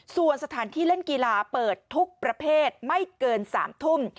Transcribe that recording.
ส่วนสถานที่เล่นกีฬาเปิดทุกประเภทไม่เกิน๓ทุ่ม